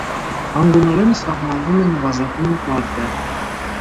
Հանգունորեն սահմանվում է նվազագույն տարրը։